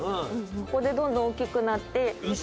ここでどんどん大きくなって。